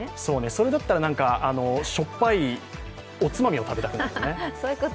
それだったら、しょっぱいおつまみを食べたくなるよね。